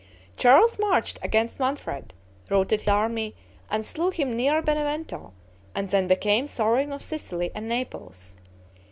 Charles marched against Manfred, routed his army, and slew him near Benevento, and then became sovereign of Sicily and Naples.